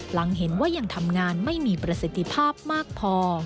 หลังเห็นว่ายังทำงานไม่มีประสิทธิภาพมากพอ